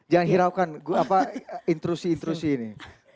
jangan hiraukan intrusi intrusi ini